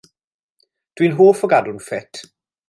Dw i'n hoff o gadw'n ffit.